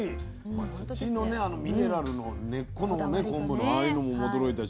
土のミネラルの根っこの昆布のああいうのも驚いたし